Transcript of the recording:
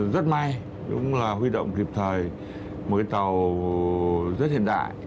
rất may cũng là huy động kịp thời một cái tàu rất hiện đại